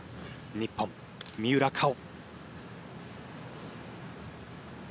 日本、三浦佳生。